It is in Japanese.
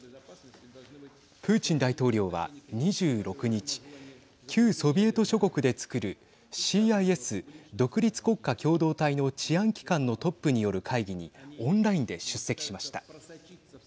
プーチン大統領は２６日旧ソビエト諸国でつくるＣＩＳ＝独立国家共同体の治安機関のトップによる会議にオンラインで出席しました。